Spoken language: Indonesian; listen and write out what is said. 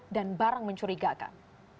dan barang mencurigakan